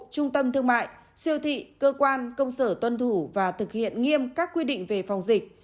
trung tâm thương mại siêu thị cơ quan công sở tuân thủ và thực hiện nghiêm các quy định về phòng dịch